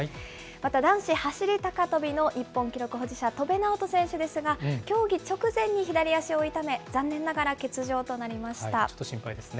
また男子走り高跳びの日本記録保持者、戸邉直人選手ですが、競技直前に左足を痛め、残念ながら欠場となりました。